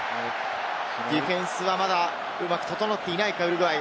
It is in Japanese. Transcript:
ディフェンスはまだうまく整っていないかウルグアイ。